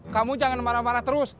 kamu jangan marah marah terus